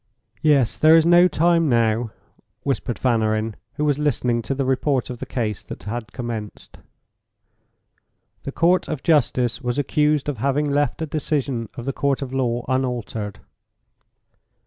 "Yes, there is no time now," whispered Fanarin, who was listening to the report of the case that had commenced. The Court of Justice was accused of having left a decision of the Court of Law unaltered.